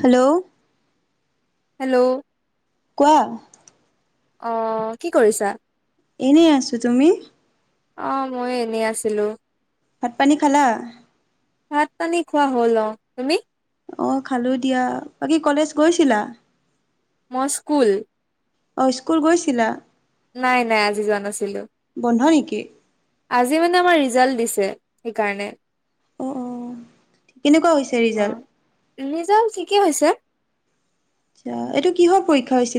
Hello. Hello. কোৱা। অ, কি কৰিছা? এনেই আছো তুমি? অ, মই এনেই আছিলো? ভাত-পানী খালা? ভাত পানী খোৱা হ'ল অ, তুমি? অ' খালো দিয়া। বাকী কলেজ গৈছিলা? মই স্কুল। অ, স্কুল গৈছিলা? নাই-নাই আজি যোৱা নাছিলো। বন্ধ নেকি আজি মানে আমাৰ ৰিজাল্ট দিছে সেইকাৰণে। অঁ অঁ কেনেকুৱা হৈছে অ, ৰিজাল্ট ৰিজাল্ট ঠিকে হৈছে। অ এইটো কিহৰ পৰীক্ষা হৈছে?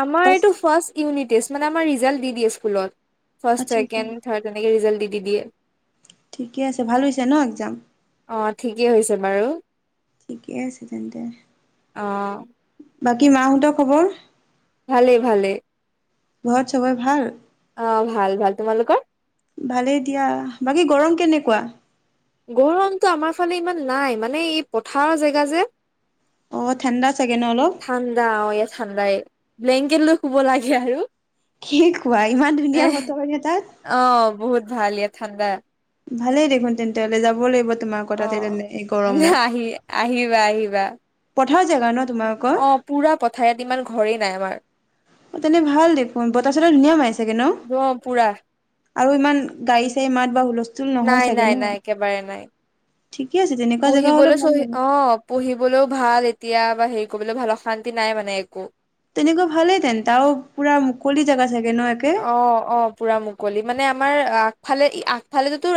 আমৰ ইটো ফাৰ্ষ্ট ইউনিট টেষ্ট মানে, আমৰ ৰিজাল্ট দি দিয়ে স্কুলত। ফাষ্ট, আচ্ছা আচ্ছা ছেকেণ্ড, থাৰ্ড এনেকে ৰিজাল্ট দিয়ে। দিদিয়ে। ঠিকে আছে, ভাল হৈছে ন একজাম। অ, ঠিকেই হৈছে বাৰু। ঠিকে আছে, তেন্তে। অ বাকী মাহঁতৰ খবৰ? ভালে, ভালে। ঘৰত চবৰে ভাল? অ, 'ভাল, ভাল তোমালোকৰ? ভালেই দিয়া বাকী গৰম কেনেকুৱা? গৰমতটো আমাৰ ফালে ইমান নাই, মানে এই পথাৰৰ জেগা যে। অঁ ঠাণ্ডা চাগে ন অলপ ঠাণ্ডা, অ', এয়া, ঠাণ্ডাই। ব্লেংকেট লৈ শুব লাগে আৰু। কি কোৱা? ইমান ধুনীয়া এহ বতৰনে তাত? অ বহুত ভাল, ইয়াত ঠাণ্ডা। ভালেই দেখোন তেন্তে হলে যাব লাগিব। তোমালোকৰ অ, তাতে তেনে এই গৰমত। আহি-আহিবা, আহিবা । [unintelligible] অ, পুৰা পথাৰত ইমান ঘৰেই নাই আমাৰ। অ, তেনে ভাল দেখোন বতাহ -চতাহ ধুনীয়া মাৰে চাগে ন।? অ পুৰা আৰু ইমান গাড়ী- চাঢ়ি মাত বা হুলস্থ, নাই, নাই, নাই একেবাৰে নাই। ঠিকে আছে তেনেকুৱা জেগা হ'লে পঢ়িবলৈ ভাল চহ লাগে। অ, পঢ়িবলৈও ভাল এতিয়া বা হেই কবলৈ ভাল অশান্তি নাই মানে একো। তেনেকুৱা ভালেহেতেন তাও পুৰা মুকলি জেগা চাগে। ন একে? অ', অ', পুৰা মুকলি মানে আমাৰ আগফালে আগফালেতো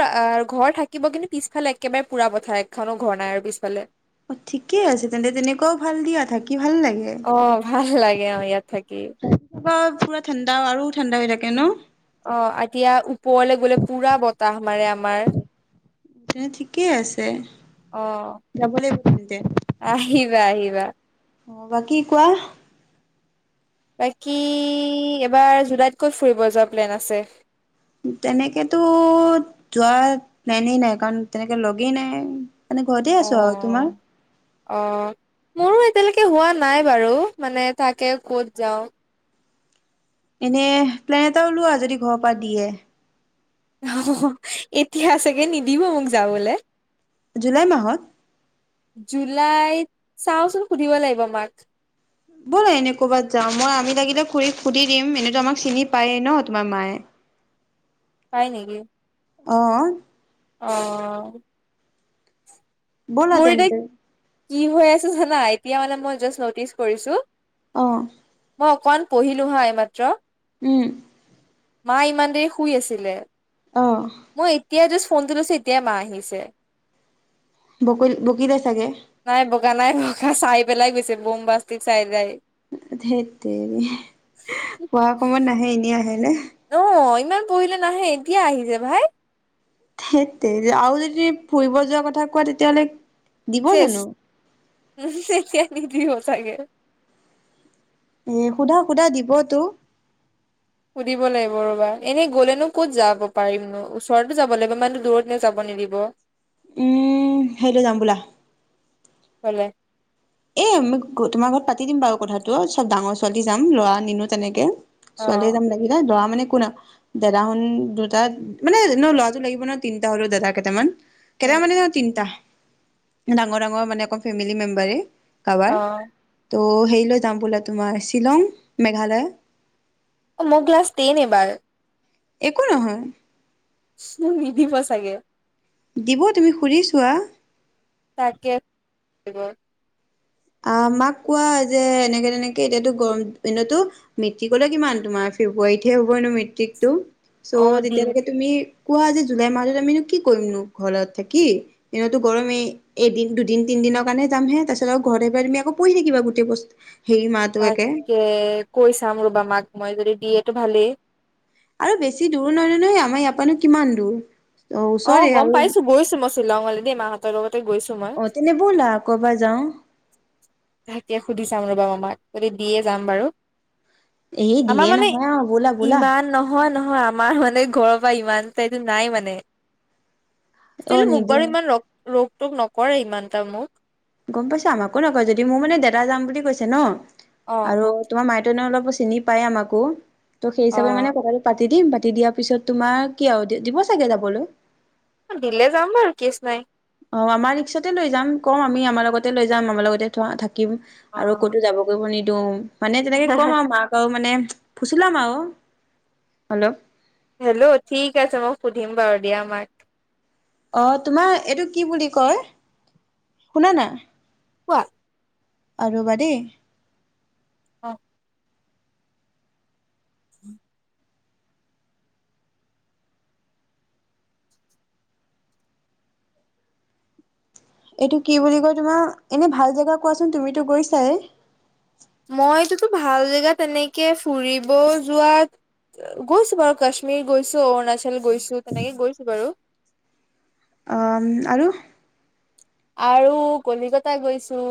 ঘৰ থাকিব, কিন্তু পিছফালে একেবাৰে পুৰা পথাৰ একখনো ঘৰ নাই আৰু পিছফালে। অ, ঠিকে আছে, তেন্তে তেনেকুৱাও ভাল দিয়া থাকি ভাল লাগে। অ ভাল লাগে অ ইয়াত থাকি ৰাতিপুৱা পুৰা ঠাণ্ডা আৰু ঠাণ্ডা হৈ থাকে ন।? অ, এতিয়া ওপৰলে গলে পুৰা বতাহ মাৰে আমাৰ। তেনে ঠিকেই আছে, অ। যাব লাগিব তেন্তে। আহিবা আহিবা অ, 'বাকী কোৱা? বাকী, এবাৰ জুলাইত ক'ত ফুৰিব যোৱা প্লেন আছে? তেনেকেতো, যোৱাৰ প্লেন এ, নাই, কাৰণ তেনেকে লগেই নাই। মানে, ঘৰতে অ। আছো আৰু তোমাৰ? অ মোৰো এতিয়ালৈকে হোৱা নাই বাৰু, মানে তাকে ক'ত যাও? এনে প্লেন এটা ওলোৱা, যদি ঘৰৰ পৰা দিয়ে? অহহ, 'এতিয়া চাগে নিদিব মোক যাবলে। জুলাই মাহত। জুলাইত, চাওঁচোন সুধিব লাগিব মাক। ব'লা এনেই ক'ৰবাত যাওঁ, মই আমি লাগিলে খুৰিক সুধি দিম এনেইটো আমাক চিনি পায়ে ন, 'তোমাৰ মায়ে। হয় নেকি? অহ, ' অ', ব'লা মোৰ এতিয়া তেন্তে। কি হৈ আছ জানা, এতিয়া মানে মই জাষ্ট নটিচ কৰিছো। অ', মই অকমান পঢ়িলো হা, এইমাত্ৰ । উ'ম মা, ইমান দেৰি শুই আছিলে। অ! এতিয়াই জাস্ত ফোনটো লৈছো, এতিয়াই মা আহিছে। বকিলে চাগে? নাই বকা নাই, চাই পেলাই গৈছে, বোম্ববাষ্টিক চাইড আই। ধেইত তেৰি, পঢ়া সময়ত নাহে এনেই আহে নে? অ', ইমান পঢ়িলে নাহে, এতিয়া আহিছে ভাই। ধেইটতেৰী, আৰু যদি ফুৰিব যোৱা কথা কোৱা তেতিয়াহ'লে দিব শেষ, জানো মোক চাগে নিদিব। চাগে। এ সোধা, সোধা দিবতো। সুধিব লাগিব ৰবা, এনেই গ'লেনো ক'ত যাব পাৰিমনো, ওচৰতো যাব লাগিব ইমানতো দূৰতটো যাব নিদিব। উম! হেৰিলৈ যাম বোলা। ক'লে? এ! তোমাৰ ঘৰত পাতি দিম বাৰু কথাটো, চব ডাঙৰ ছোৱালী যাম ল'ৰা নিনু তেনেকে। অ ছোৱালীয়ে যাম লাগিলে, লৰা মানে কোনা দাদ হত দুটা মানে ন, ল'ৰাটো লাগিব ন তিনটা হলেও দাদা কেইটামান। অ কেইটা মানে, তিনটা। ডাঙৰ, ডাঙৰ মানে অকন ফেমিলি মেম্বাৰে। কাৰোবাৰ অ', ত' হেৰি ললৈ যাম বোলা, তোমাৰ শ্বিলং, মেঘালয়। অ', মই ক্লাছ টেন এবাৰ একো নহয়। মোক নিদিব চাগে দিব তুমি সুধিছোৱা- তাকে দিব। অ', মাক কোৱা যে এনেকে তেনেকে এতিয়াতো গৰম দিনতো মেট্ৰিকলৈ কিমান তোমাৰ ফেব্ৰুৱাৰীতহে হ'ব নো মেট্ৰিকতটো অ চ' দিম তেতিয়ালৈকে তুমি- কোৱা যে জুলাই মাহত আমিনো কি কৰিমনো ঘৰত থাকি, দিনতো গৰমেই এদিন, দুদিন, তিনদিনৰ কাৰণে যামহে তাৰ পিছত ঘৰত আহিবা তুমি আকৌ পঢ়ি থাকিবা গোটেই বছৰতো - তাকে কৈ চাম ৰবা মাক মই যদি- দিয়েটো ভালেই। আৰু বেছি দূৰো নহয় নহয় আমাৰ ইয়াৰপানো কিমান দূৰ। অ ওচৰে গম আৰু পাইছো গৈছো মই শ্বিলঙলৈ দেই মাহঁত। [unintelligible] অ তেনে ব'লা ক'ৰবাত যাওঁ। [unintelligible] সুধি চাম ৰবা মাক যদি দিয়ে যাম বাৰু। এই আমাৰ দিয়ে মানে নহয় অ বোলা বোলা। ইমান নহয় নহয় আমাৰ মানে ঘৰৰ পৰা ইমান টাইতো নাই মানে। অ ছিল মোক বাৰু নিদিয়ে ইমান ৰ ৰোগ। তোক নকৰে ইমানটা মোক। গম পাইছো আমাকো নকয় যদি মোৰ মানে দাদা যাম বুলি কৈছে ন। অ আৰু তোমাৰ মাইতনেও অলপ। চিনি পায় আমাকো ত' অ সেইিচাপে মানে কথাটো পাতি দিম। কাটি দিয়াৰ পিছত তোমাৰ কি আও দিব চাগে যাবলৈ? দিলে যাম বাৰু কেচ নাই। অ আমাৰ ৰিক্সতে লৈ যাম। কম আমি আমাৰ লগতে লৈ যাম আমাৰ লগতে থ থ। ম অ আৰু ক'তো যাব কৰিব নিদ। দ। মানে যেনেকে কম আৰু মা আও মানে। ফুচোলাম আও। হেল্ল' হেল্ল' ঠিক আছে মই সুধিম বাৰু দিয়া মাক। অ তোমাৰ এইটো কি বুলি কয়? শুনা না। [unintelligible] আ ৰবা দেই। অ উম [inaudible] এইটো কি বুলি কয় তোমাৰ? এনে ভাল জেগা কোৱাচোন তুমিতো গৈছাই। মইটোতো ভাল জেগাত তেনেকে ফুৰিব যোৱাত গৈছো বাৰু কাশ্মীৰ গৈছো অৰুণাচল গৈছো তেনেকে গৈছো বাৰু। আহ আৰু? আৰু কলিকতা গৈছো।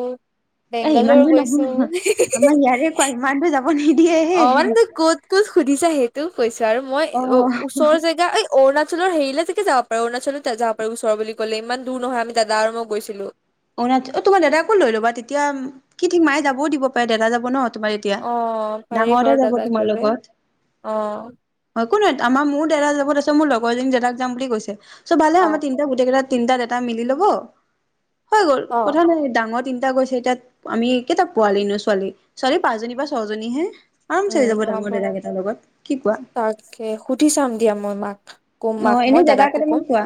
এ ইমান বেংগালোৰ দূৰ গৈছো। নহয় নহয়। আমাৰ ইয়াৰে কোৱা ইমান দৰ যাব। নিদিয়েহে অ মান ত ক'ত ক'ত সুধিছা। তো কৈছো। মই অ ওচৰৰ জেগা এই অৰুণাচল। অৰুণাচলৰ হেৰিলে টেকে যাব পাৰোঁ অৰুণাচলত যাব পাৰোঁ। ওৰ বুলি কলে ইমান দূৰ নহয় আমি দাদা মই গৈচিলোঁ। অ ন অ তোমাৰ দাদাক কো লৈ ল'বা। তেতিয়া কি ঠিক মায়ে যাবও দিব পাৰে দাদা যাব ন। তোমাৰ এতিয়া অ পাৰি ডাঙৰতে বাৰু যাব দাদাক তোমাৰ ললে লগত। অ। হয় ক ন আমাৰ মোৰ দৰা যাব। ত মোৰ লগৰজনীক দাদাক যাম বুলি কৈছে। চ' ভালে আমাৰ তিনিটা গোটেইটা তিনিটা দাদা মিলি লক। হব। হৈ গ'ল, কথা নাই ডাঙৰ তিনিটা গৈছে, এতিাত আমি কেইটা পোৱালি নো ছোৱালী, ছোৱালী পাঁচজনী বা ছয়জনী হে উঁম হব, কোৱা তাকে সুধি চাম দিয়া মই মাক কম মাক অ মই এনে জেগা দাদাকো কেইটামান কম। কোৱা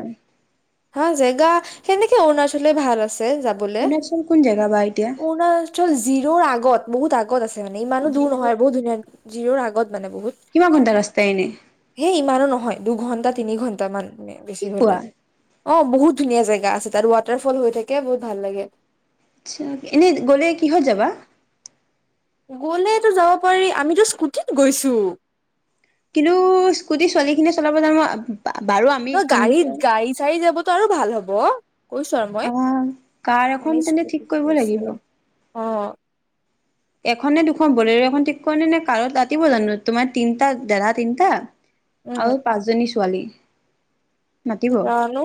হা, জেগা সেই এ' অৰুণাচলে ভাল আছে। [unintelligible] অৰুণাচল কোন জেগা বা এতিয়া অৰুণাচল জিৰৰ আগত, বহুত আগত আছে মানে, ইমানো দূৰ নহয় ধুনীয়া, জিৰৰ আগত মানে বহুত কিমান ঘণ্টা ৰাস্তাই এনে? সেই ইমানো নহয়, দুঘন্টা তিনি ঘণ্টা মান মে বেছি কি হলে। কোৱা? অঁ বহুত ধুনীয়া জেগা আছে তাত, ৱাটাৰফল হৈ থাকে, বহুত ভাল লাগে। আচ্চা, এনেই গলে কিহত যাবা? গ'লেতো যাব পাৰি, আমিতো স্কুটিত গৈছো। কিন্তু, স্কুটি ছোৱালী খিনিয়ে চলাব জানো বাৰু আমি নহ গাড়ীত, তিনিটা গাড়ী চাথী যাব তাৰো ভাল হ'ব। কৈছো আৰু মই আঁহ, কাৰ এখন তেনে ঠিক কৰিব লাগিব। অঁ। এখননে দুখন, বলে এখন ঠিক কৰিনে নে, কাৰত ৰাতিব জানো, তোমাৰ তিনিটা, দেৰাা তিনটা আৰু উম পাঁচজনী ছোৱালী। জানো?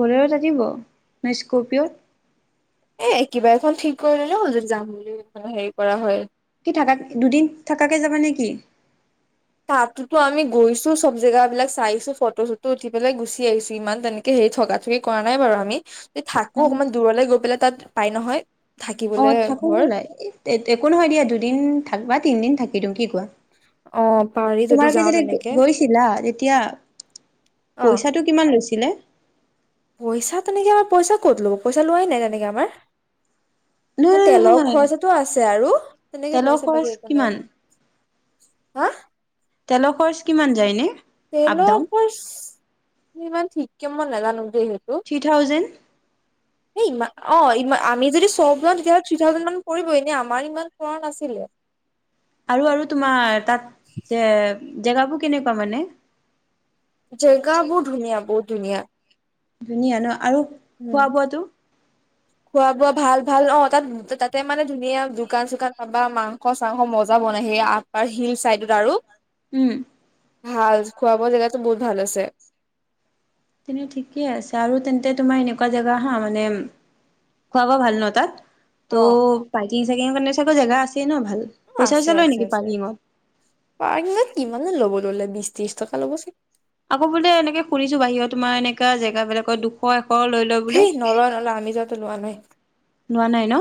বলোৰত আতিব নে, স্কপিঅ'ত? এ' কিবা এখন ঠিক কৰিলে হ'ল, যদি যাম বুলি হেৰি কৰা হয়। থাক, দুদিন থাকাকে যাবা নেকি? তাতোতো আমি গৈছো, চব জেগা বিলাক চাইছো, ফটো চটো উঠি পেলাই গুচি আহিছো, ইমান তেনেকে হেৰি ঠগা ঠগি কৰা নাই বাৰু আমি এই থাকো, অকমান দূৰলৈ গৈ পেলাই তাত, পাই নহয় থাকিবলে অঁ থাকো ঘৰ বোলে, একো নহয় দিয়া, দুদিন থাকবা, তিনদিন থাকি দিও, কি কোৱা? অ পাৰি যদি তোমালোকে যাওঁ যেতিয়া তেনেকে গৈছিলা, তেতিয়া, অ পইচাটো কিমান লৈছিলে? পইচা তেনেকে আমাৰ, পইচা ক'ত ল'ব, পইচা লোৱাই নাই তেনেকে আমাৰ। ম নহয় নহয় তেলৰ নহয় খৰচাতটো আছে আৰু, তেনেকে তেলৰ পইচা খৰচ বাকী সেইকাৰণে কিমান? হা? তেলৰ খৰচ কিমান যায়নে? Up down? তেলৰকো ইমান ঠিককে মই নাজানো। Three thousand. ই অ' আমি যদি চব যাওঁ তেতিয়াহ'লে থ্ৰী থাউজেণ্ড মান পৰিব এনে আমাৰ ইমান কৰা নাছিলে। আৰু, আৰু তোমাৰ তাত যে। জেগাবোৰ কেনেকুৱা মানে? জেগাবোৰৰ ধুনীয়া বহুত। ধুনীয়া। ধুনীয়া ন আৰু খোৱা বোৱাটো। খোৱা-বোৱা ভাল, ভাল অ' তাত। ত' তাতে মানে ধুনীয়া দোকান চোকান পাবা মাংস চাংস মজা বনাই সেই আপাৰ হিল চাইডত আৰু। উম্। ভাল। খোৱা বোৱা জেগাতো বহুত ভাল আছে। তেনে ঠিকে আছে আৰু তেন্তে তোমাৰ এনেকুৱা জেগা হা মানে, খোৱা বোৱা ভাল ন তাত? অ ত' পাৰ্কিং চাৰ্কিংৰ কাৰণে জেগা আছে ন। ভাল? পইচা আছে, চইচা লয় আছে, নেকি আছে পাৰ্কিঙত? পাৰ্কিঙত কিমাননো ল'ব। ল'লে বিশ ত্ৰিশ টকা ল'ব চাগে। আকৌ বোলে এনেকে শুনিছো বাহিৰত তোমাৰ এনেকা জেগাাবিলাকৰ দুশ এশ। লৈ লয় বোলে। হেই নলয় নলয় আমি যাওঁতে। লোৱা নাই। লোৱা নাই ন।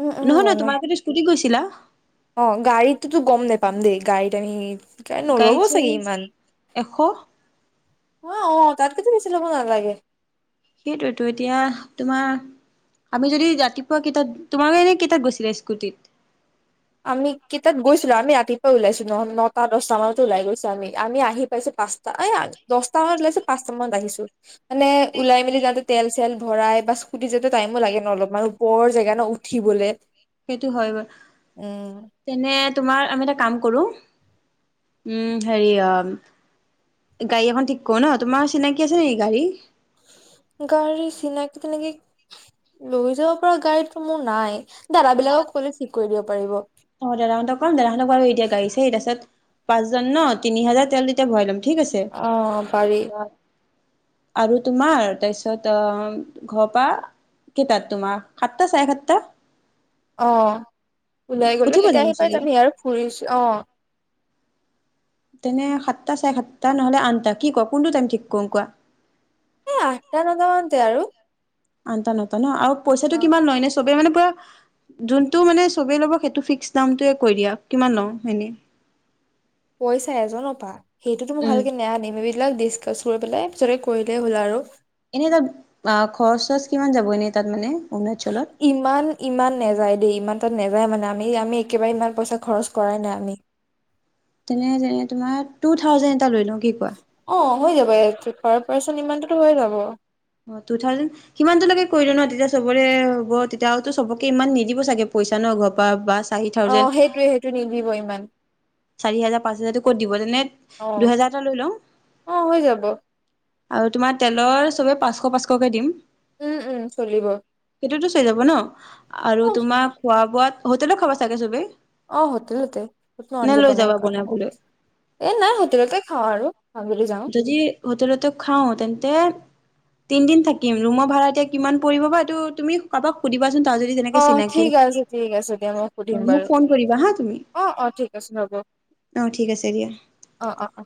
উম, উম নহয় লোৱা নহয় নাই। তোমালোকেতো স্কুটিত গৈছিলা? অ' গাড়ীটোতো গম নোপাম দেই। গাড়ীত এনেই গাড়ীত চোন এশ। অ' অ'তাতকেতো বেছি ল'ব নালাগে। সেইটোৱেতো এতিয়া তোমাৰ, আমি যদি ৰাতিপুৱা কেইটাত তোমালোকে এনে কেইটাত গৈছিলা স্কুটিত। আমি কেইটাত গৈছিলো। আমি ৰাতি ওলাইছো ন নটা দহটা মানতে ওলাই গৈছো আমি। আমি আহি পাইছো পাঁচটা, দহটা মানত ওলাইছো পাঁচটা মানত আহিছো। মানে ওলাই মিলি যাওঁতে তেল চেল। ভৰাই বা স্কুটি যিহেতু টাইমো লাগে ন অলপমান ওপৰৰ জেগা ন উঠিবলৈ। সেইটো হয় বাৰু। উম্। তেনে তোমাৰ আমি এটা কাম কৰো, উম হেৰি অ' গাড়ী এখন ঠিক কৰো ন তোমাৰ চিনাকি আছে নেকি গাড়ী? গাড়ী চিনাকি তেনেকে, লৈ যাব পৰা গাড়ীটো মোৰ নাই। দাদা বিলাকক ক'লে ঠিক কৰি দিব পাৰিব আহ দাদাহঁতক কম দাদাহঁতক আৰু এতিয়া এৰি দিয়া গাড়ী চাৰি তাৰপিছত- পাঁচজন ন তিনি হাজাৰ তেল তেতিয়া ভৰাই ল'ম । অ পাৰি আৰু তোমাৰ তাৰপিছত আহ ঘৰৰ পৰা‌ কেইটাত তোমাৰ সাতটা চাৰে সাতটা। অ ওলাই গলো উঠিব তেতিয়া জানো আহি পাই চবে যামি আৰু ফুৰিছো অ তেনে সাতটা চাৰে সাতটা নহলে আঠটা কি কয় কোনটো টাইম ঠিক কৰো কোৱা। এ আঠটা নটা মানতে আৰু আঠটা নটা ন আৰু - পইচাটো অ কিমান লয় নে চবে মানে- পৰা যোনটো মানে চবে ল'ব বিচাৰে সেইটো ফিকচ দাম টোৱে কৰি দিয়ে কিমান দাম নো এনেই? পইচা এজনৰ পা সেইটো মই উম ভালকে নিয়া নিবিলাক দি- কচ কৰি পেলাই পিছতে কৰিলেই হ'ল আৰু- এনেই তাত অ খৰচ চচ কিমান যাব এনেই তাত মানে অৰুণাচলত ইমান ইমান নেযায় দেই ইমান তাত নাযায় মানে আমি আমি একেবাৰে ইমান পইচা খৰচ কৰাই নাই আমি তেনে তেনে তোমাৰ টু থাউজেন লৈ ন কি কোৱা অ হৈ যাব পাৰ পাৰ্চন ইমানটোতো হৈ যাব অ টু থাউজেন সিমানটোলৈকে কৰিলো ন তেতিয়া চবৰে হ'ব তেতিয়াওো সবকে ইমান নিদিব চাগে পইচা ন ঘৰ পৰা বাছ- অ সেইটোৱে সেইটো নিদিব ইমান চাৰি হোজাৰ পাঁচ হোজাৰটো ক'ত দিব তেনে অ দুহেজাৰ এটা লৈ লওঁ অ হৈ যাব আৰু তোমাৰ তেলৰ চবে পাঁচশ পাঁচশকে দিম উম উম চলিব সেটোতো চাই যাব ন আৰু অ তোমাৰ খোৱা বোৱাত হোটেলৰ খাব চাগে চবেই অ হোতলতে ত নে মঞ্জী লৈ বনাই যাবা কৰা বনাবলৈ এ নাই হোটেলতে খাওঁ আৰু আবেলি যাওঁ যদি হোটেলতে খাওঁ তেন্তে তিনদিন থাকি ৰুমৰ ভাড়া এতিয়া কিমান পৰিব বা এইটো তুমি কাৰোবাক সুধিবাচোন তাৰ যদি তেনেকে অ চিনাকি ঠিক আছে ঠিক আছে দিয়া মই সুধিম মোক বাৰু ফোন কৰিবা হা তুমি অ অ ঠিক আছে ৰ'ব অ ঠিক আছে দিয়া অ অ অ